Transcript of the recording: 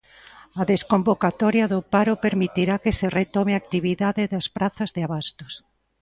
A desconvocatoria do paro permitirá que se retome a actividade das prazas de abastos.